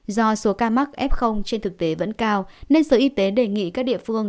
do số ca mắc f trên thực tế vẫn cao nên sở y tế đề nghị các địa phương